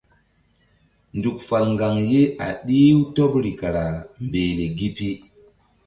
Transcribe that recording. Nzuk fal ŋgaŋ ye a ɗih-u tɔɓri kara mbehle gi pi.